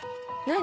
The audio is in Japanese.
何？